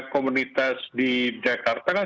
komunitas di jakarta kan